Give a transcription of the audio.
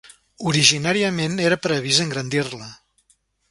Originàriament era previst engrandir-la.